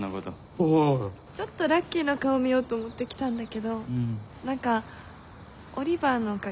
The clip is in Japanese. ちょっとラッキーの顔見ようと思って来たんだけど何かオリバーのおかげですっきりした。